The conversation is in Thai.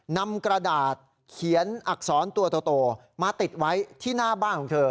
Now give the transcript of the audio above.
นำกระดาษเขียนอักษรตัวโตมาติดไว้ที่หน้าบ้านของเธอ